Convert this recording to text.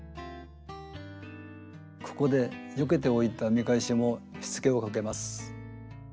ここでよけておいた見返しもしつけをかけます。